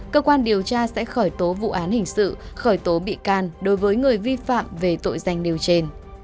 cơ quan điều tra sẽ khởi tố vụ án hình sự khởi tố bị can đối với người vi phạm về tội danh nêu trên